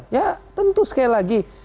ya tentu sekali lagi